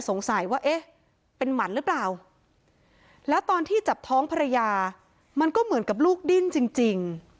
สงสัยว่าเอ๊ะเป็นหมันหรือเปล่าแล้วตอนที่จับท้องภรรยามันก็เหมือนกับลูกดิ้นจริง